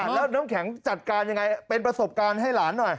แล้วน้ำแข็งจัดการยังไงเป็นประสบการณ์ให้หลานหน่อย